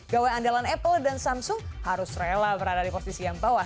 gawai andalan apple dan samsung harus rela berada di posisi yang bawah